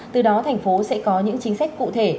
từ đó thành phố sẽ có những chính sách cụ thể